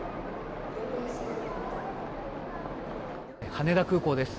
羽田空港です。